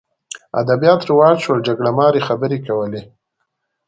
ادبیات رواج شول جګړه مارۍ خبرې کولې